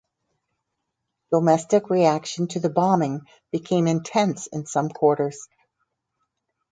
Domestic reaction to the bombing became intense in some quarters.